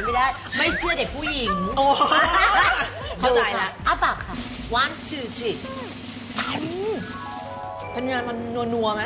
เป็นยังไงมันนัวไหม